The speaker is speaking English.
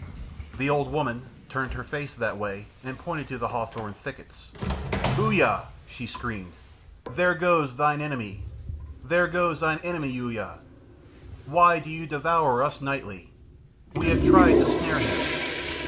The old woman turned her face that way, and pointed to the hawthorn thickets. "Uya," she screamed, "there goes thine enemy! There goes thine enemy, Uya! Why do you devour us nightly? We have tried to snare him!